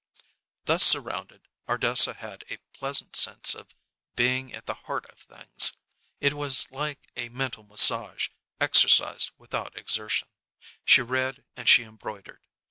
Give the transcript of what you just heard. Thus surrounded, Ardessa had a pleasant sense of being at the heart of things. It was like a mental massage, exercise without exertion. She read and she embroidered.